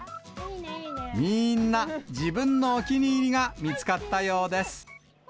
みんな自分のお気に入りが見つかったようです。